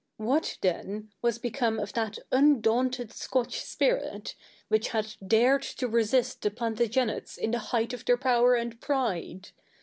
What, then, was become of that undaunted Scotch spirit, which had dared to resist the Plantagenets in the height of their power and pride?